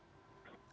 oke bang taslim